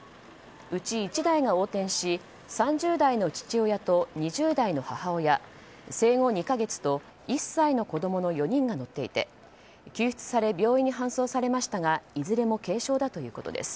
うち１台が横転し３０代の父親と２０代の母親、生後２か月と１歳の子供の４人が乗っていて救出され病院に搬送されましたがいずれも軽傷だということです。